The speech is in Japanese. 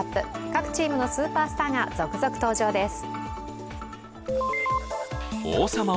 各チームのスーパースターが続々登場です。